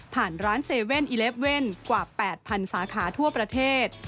ผ่านร้าน๗๑๑กว่า๘๐๐สาขาทั่วประเทศ